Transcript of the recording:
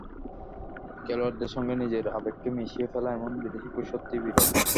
খেলোয়াড়দের সঙ্গে নিজের আবেগকে মিশিয়ে ফেলা এমন বিদেশি কোচ সত্যিই বিরল।